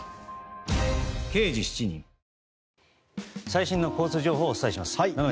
最新の交通情報をお伝えします。